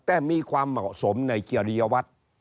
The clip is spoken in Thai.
แต่มีความเหมาะสมในเจริยวัตร